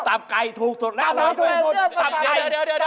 ร้อนชาติ